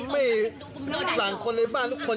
ไม่สั่งคนในบ้านทุกคน